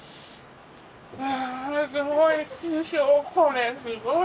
わあすごい！